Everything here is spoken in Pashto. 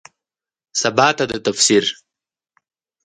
سباته ده تفسیر